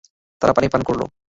তারা পানি পান করল।